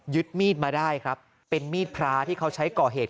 มีดมาได้ครับเป็นมีดพระที่เขาใช้ก่อเหตุ